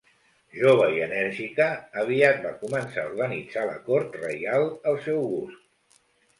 Jove i energètica, aviat va començar a organitzar la cort reial al seu gust.